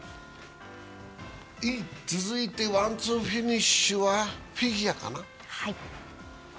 続いて、ワン・ツーフィニッシュはフィギュアかな。